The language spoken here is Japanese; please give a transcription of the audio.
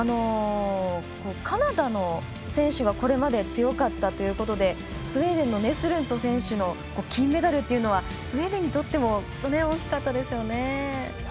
カナダの選手がこれまで強かったということでスウェーデンのネスルント選手の金メダルというのはスウェーデンにとっても大きかったでしょうね。